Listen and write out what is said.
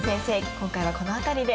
今回はこの辺りで。